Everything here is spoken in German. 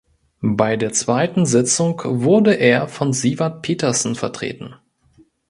Bei der zweiten Sitzung wurde er von Sivert Petersen vertreten.